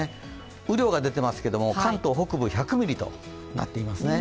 雨量が出ていますけど関東北部１００ミリとなっていますね。